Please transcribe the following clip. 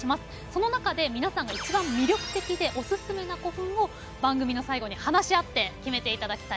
その中で皆さんが一番魅力的でオススメな古墳を番組の最後に話し合って決めていただきたいと思います。